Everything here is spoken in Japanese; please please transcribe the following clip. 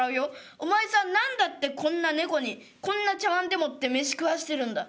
お前さん何だってこんな猫にこんな茶わんでもって飯食わしてるんだ！」。